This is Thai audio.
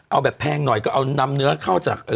เอาแบบแพงหน่อยก็เอานำเนื้อเข้าจาก